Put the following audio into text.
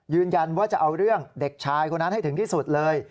ยืนยันว่าจะเอาเรื่องเด็กชายคนนั้นให้ถึงที่สุดเลย